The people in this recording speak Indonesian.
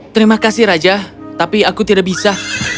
terima kasih raja tapi aku tidak bisa